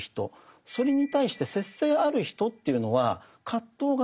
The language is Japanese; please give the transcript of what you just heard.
それに対して節制ある人というのは葛藤がない。